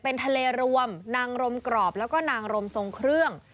เป็นทะเลรวมนางรมกรอบแล้วก็นางรมทรงเครื่อง